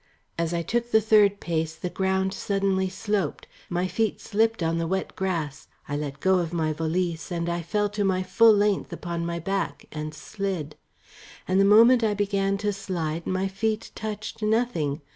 As I took the third pace the ground suddenly sloped, my feet slipped on the wet grass; I let go of my valise, and I fell to my full length upon my back, and slid. And the moment I began to slide my feet touched nothing.